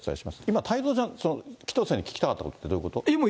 今、太蔵ちゃん、紀藤さんに聞きたかったことってどういうこと？